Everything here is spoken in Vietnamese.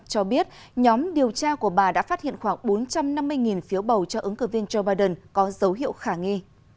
cho biết nhóm điều tra của bà đã phát hiện khoảng bốn trăm năm mươi phiếu bầu cho ứng cử viên joe biden có dấu hiệu khả nghi